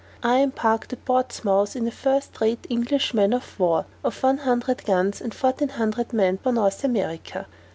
_ I embarked at Portsmouth in a first rate English man of war, of one hundred guns, and fourteen hundred men, for North America.